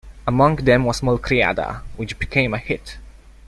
Among them was "Malcriada" which became a "hit".